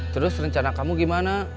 terus rencana kamu gimana